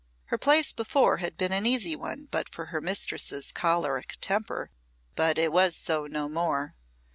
Her place had before been an easy one but for her mistress's choleric temper, but it was so no more.